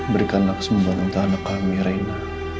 berikanlah kesemuan untuk anak kami reina